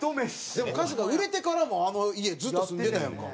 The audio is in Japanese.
でも春日売れてからもあの家ずっと住んでたやんか。